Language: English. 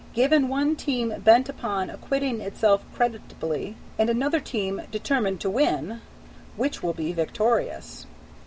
Given one team bent upon acquitting itself creditably, and another team determined to win, which will be victorious?